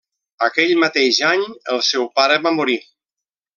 Aquell mateix any, el seu pare va morir.